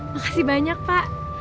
makasih banyak pak